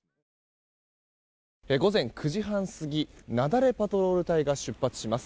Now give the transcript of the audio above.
午前９時半過ぎ雪崩パトロール隊が出発します。